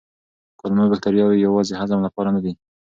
کولمو بکتریاوې یوازې هضم لپاره نه دي.